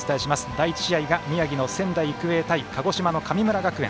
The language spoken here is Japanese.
第１試合が宮城の仙台育英対鹿児島の神村学園。